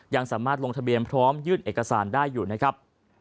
ยังสามารถลงทะเบียนพร้อมยื่นเอกสารได้อยู่นะครับ